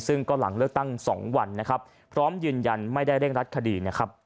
ซึ่งก็หลังเลือกตั้ง๒วันพร้อมยืนยันไม่ได้เร่งรัดคดี